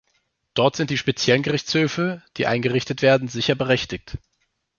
Dort sind die speziellen Gerichtshöfe, die eingerichtet werden, sicher berechtigt.